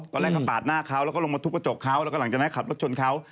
ตอนแรกก็ปาดหน้าเขาแล้วก็ลงมาทุบกระจกเขาแล้วก็หลังจากนั้นขับรถชนเขา